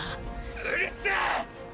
うるせぇ！！？